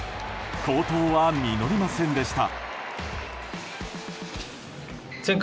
好投は実りませんでした。